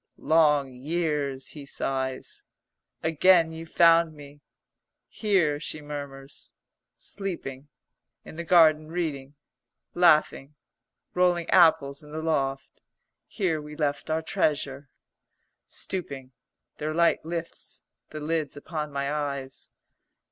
"Long years " he sighs. "Again you found me." "Here," she murmurs, "sleeping; in the garden reading; laughing, rolling apples in the loft. Here we left our treasure " Stooping, their light lifts the lids upon my eyes.